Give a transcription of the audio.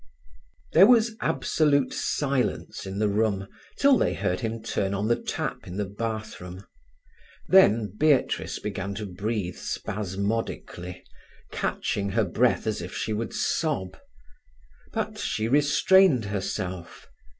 There was absolute silence in the room till they heard him turn on the tap in the bathroom; then Beatrice began to breathe spasmodically, catching her breath as if she would sob. But she restrained herself.